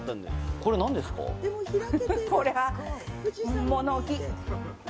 これは物置。